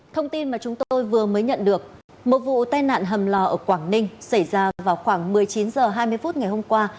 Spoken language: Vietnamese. thông tin mà chúng tôi vừa mới nhận được một vụ tai nạn hầm lò ở quảng ninh xảy ra vào khoảng một mươi chín h hai mươi phút ngày hôm qua